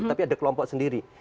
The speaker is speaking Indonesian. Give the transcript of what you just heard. tapi ada kelompok sendiri